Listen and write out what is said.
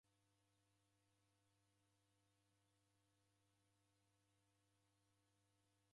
Naghesha w'akimbiri w'akaia msigo m'baa w'ughenyunyi.